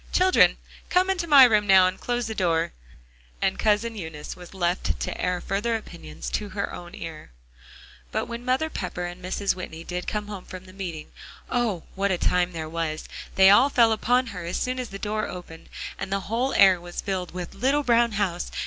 "Children, come into my room now, and close the door." And Cousin Eunice was left to air further opinions to her own ear. But when Mother Pepper and Mrs. Whitney did come home from the meeting, oh! what a time there was. They all fell upon her, as soon as the door opened, and the whole air was filled with "little brown house."